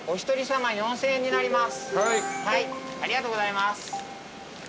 ありがとうございます。